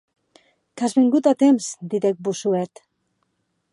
Qu’as vengut a temps!, didec Bossuet.